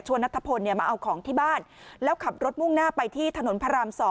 นัทธพลมาเอาของที่บ้านแล้วขับรถมุ่งหน้าไปที่ถนนพระราม๒